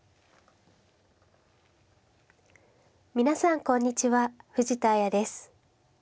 皆さんこんにちは藤田綾です。